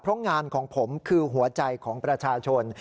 เพราะงานของผมคือหัวใจของประชาชน